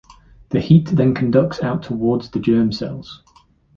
The heat then conducts out towards the germ cells.